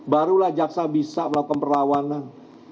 barulah jaksa bisa melakukan perlawanan